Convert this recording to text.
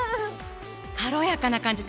軽やかな感じ